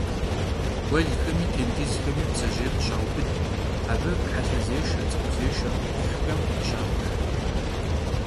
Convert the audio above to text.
Guelxemi têncızxemi bdzejêy khışaubıd, abı helhezêşşe, ts'ıxuzêşşe kxhuhxem khışak'uh.